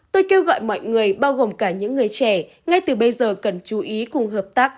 tôi kêu gọi mọi người bao gồm cả những người trẻ ngay từ bây giờ cần chú ý cùng hợp tác